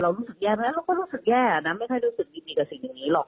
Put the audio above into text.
รู้สึกแย่ไหมเราก็รู้สึกแย่นะไม่ค่อยรู้สึกดีกับสิ่งอย่างนี้หรอก